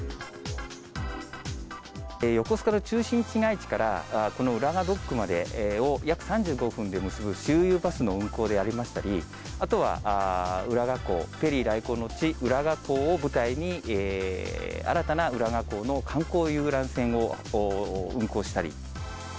横須賀の中心市街地からこの浦賀ドックまでを約３５分で結ぶ周遊バスの運行でありましたり、あとは浦賀港、ペリー来港の地、浦賀港を舞台に、新たな浦賀港の観光遊覧船を運航したり。